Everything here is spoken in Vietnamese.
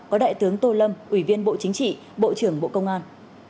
có đại tướng tô lâm ủy viên bộ chính trị bộ trưởng bộ công an